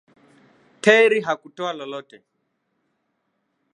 Terri hakutoa lolote